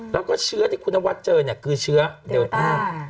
แล้วก็เชื้อที่คุณนวัดเจอเนี่ยคือเชื้อเดลต้า